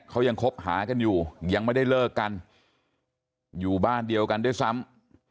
เขายังคบหากันอยู่ยังไม่ได้เลิกกันอยู่บ้านเดียวกันด้วยซ้ำ